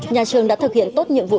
nhà trường đã thực hiện tốt nhiệm vụ